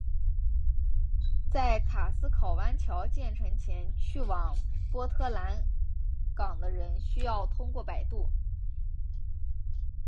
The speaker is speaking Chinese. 在卡斯考湾桥建成前去往波特兰港的人需要通过摆渡。